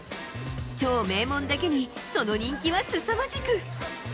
超名門だけに、その人気はすさまじく。